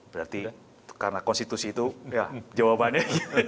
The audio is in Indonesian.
berarti karena konstitusi itu jawabannya